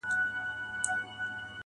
تالنده برېښنا يې خــوښـــــه ســوېده.